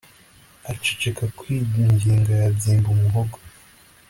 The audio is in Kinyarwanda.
Aceceka kwinginga yabyimba umuhogo